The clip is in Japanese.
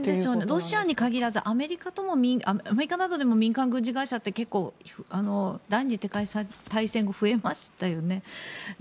ロシアに限らずアメリカなどでも民間軍事会社って結構、第２次世界大戦後に増えましたよね。